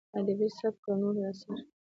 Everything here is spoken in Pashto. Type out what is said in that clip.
ادبي سبک او نور اثار: